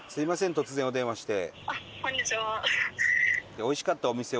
突然お電話して。